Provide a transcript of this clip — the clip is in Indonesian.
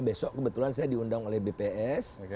besok kebetulan saya diundang oleh bps